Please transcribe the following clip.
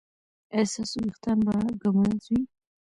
ایا ستاسو ویښتان به ږمنځ وي؟